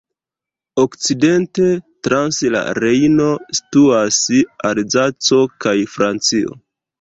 Okcidente, trans la Rejno, situas Alzaco kaj Francio.